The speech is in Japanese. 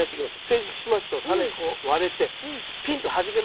成熟しますとタネがこう割れてピンとはじけます。